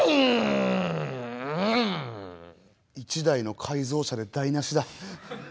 １台の改造車で台なしだ。